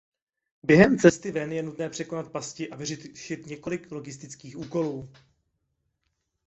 Během cesty ven je nutné překonat pasti a vyřešit několik logických úkolů.